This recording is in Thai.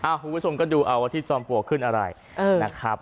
คุณผู้ชมก็ดูเอาว่าที่จอมปลวกขึ้นอะไรนะครับ